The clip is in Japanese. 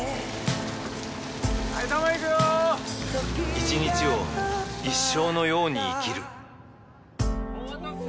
一日を一生のように生きるお待たせ！